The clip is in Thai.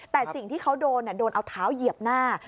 แต่สิ่งที่เขาโดนโดนเอาเท้าเหยียบหน้า